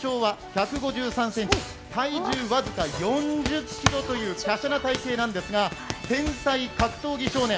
身長は１５３ｃｍ、体重わずか４０ｋｇという華奢な体型なんですが天才格闘技少年